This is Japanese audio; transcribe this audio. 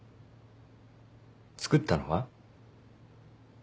作ったのは？